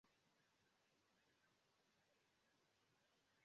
Li faris ankaŭ aliajn portretojn kaj ankaŭ artaĵojn pri religia temaro.